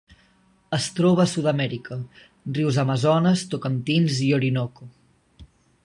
Es troba a Sud-amèrica: rius Amazones, Tocantins i Orinoco.